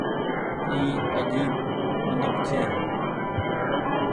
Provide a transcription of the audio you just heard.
اي آجيب منک ڇي ۔